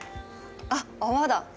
あっ泡だ！